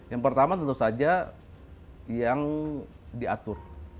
yang pertama tentu saja yang diatur